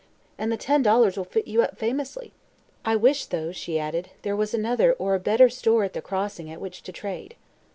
And the ten dollars will fit you up famously. I wish, though," she added, "there was another or a better store at the Crossing at which to trade."